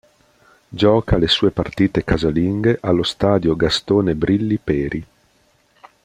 Gioca le sue partite casalinghe allo Stadio Gastone Brilli Peri.